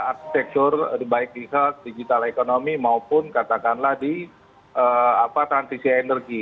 arsitektur baik di digital ekonomi maupun katakanlah di transisi energi